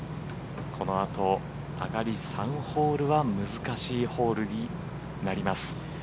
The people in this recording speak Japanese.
このあと上がり３ホールは難しいホールになります。